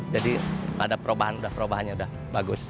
jadi ada perubahan perubahannya sudah bagus